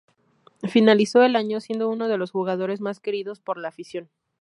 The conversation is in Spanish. Finalizó el año siendo uno de los jugadores más queridos por la afición.